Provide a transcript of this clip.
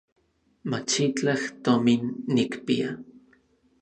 Machitlaj tomin nikpia.